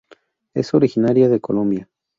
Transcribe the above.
Es originaria de Colombia.